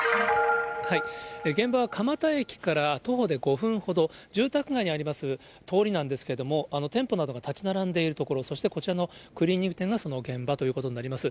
現場は蒲田駅から徒歩で５分ほど、住宅街にあります通りなんですけれども、店舗などが建ち並んでいる所、そしてこちらのクリーニング店がその現場ということになります。